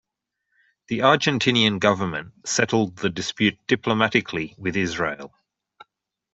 The Argentinian government settled the dispute diplomatically with Israel.